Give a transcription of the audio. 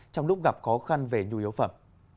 trong lúc gặp khó khăn về nhu yếu phẩm